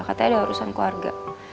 katanya ada urusan keluarga